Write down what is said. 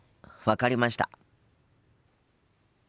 分かりました。